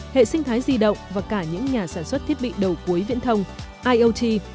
hệ sinh thái di động và cả những nhà sản xuất thiết bị đầu cuối viễn thông iot